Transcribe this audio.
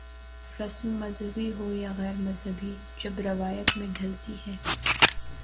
رسم مذہبی ہو یا غیر مذہبی جب روایت میں ڈھلتی ہے۔